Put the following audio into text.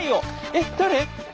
えっ誰？